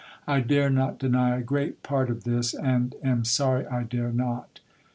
I dare not deny a great part of this, and am sorry I dare not."